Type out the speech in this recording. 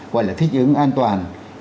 gọi là thích ứng an toàn